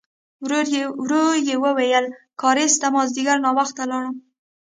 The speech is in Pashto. ورو يې وویل: کارېز ته مازديګر ناوخته لاړم.